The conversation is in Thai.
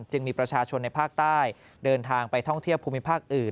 จึงมีประชาชนในภาคใต้เดินทางไปท่องเที่ยวภูมิภาคอื่น